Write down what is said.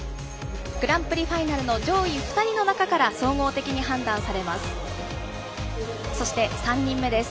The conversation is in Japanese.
グランプリファイナルの上位２人の中から総合的に判断されます。